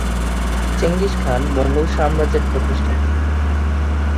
Genghis Khan Mongol সাম্রাজ্যের প্রতিষ্ঠাতা।